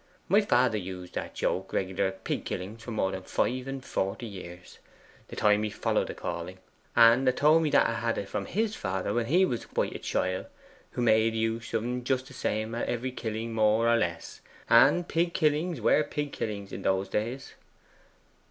My father used that joke regular at pig killings for more than five and forty years the time he followed the calling. And 'a told me that 'a had it from his father when he was quite a chiel, who made use o' en just the same at every killing more or less; and pig killings were pig killings in those days.